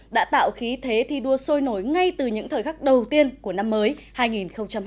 đã tạo khí thế thi đua sôi nổi ngay từ những thời khắc đầu tiên của năm mới hai nghìn hai mươi